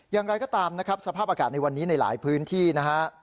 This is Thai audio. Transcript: อย่างไรก็ตามนะครับสภาพอากาศในวันนี้ในหลายพื้นที่นะฮะ